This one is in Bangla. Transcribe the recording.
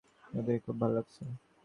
আপনাকে দেখে খুব ভালো লাগছে।